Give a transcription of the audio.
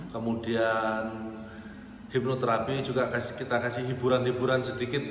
kemudian hipnoterapi juga kita kasih hiburan hiburan sedikit